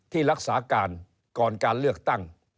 ที่รักษาการก่อนการเลือกตั้ง